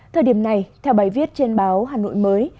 thời điểm này theo bài viết trên báo hà nội mới